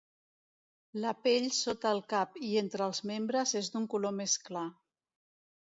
La pell sota el cap i entre els membres és d'un color més clar.